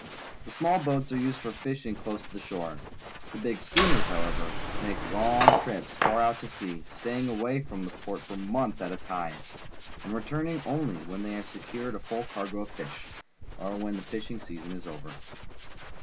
The small boats are used for fishing close to shore. The big schooners, however, make long trips far out to sea, staying away from port for months at a time, and returning only when they have secured a full cargo of fish, or when the fishing season is over.